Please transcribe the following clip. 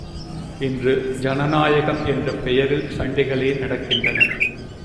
இன்று ஜனநாயகம் என்ற பெயரில் சண்டைகளே நடக்கின்றன.